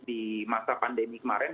di masa pandemi kemarin